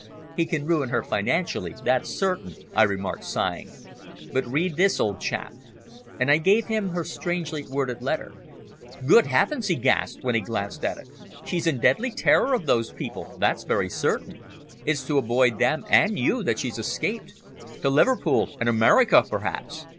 "He can ruin her financially, that's certain," I remarked, sighing. "But read this, old chap," and I gave him her strangely worded letter. "Good Heavens!" he gasped, when he glanced at it, "she's in deadly terror of those people, that's very certain. It's to avoid them and you that she's escaped to Liverpool and America, perhaps.